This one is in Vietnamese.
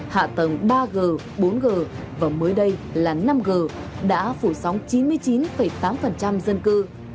hạ tầng ba g bốn g và mới đây là năm g đã phủ sóng chín mươi chín tám dân cư